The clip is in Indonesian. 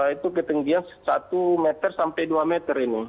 itu ketinggian satu meter sampai dua meter ini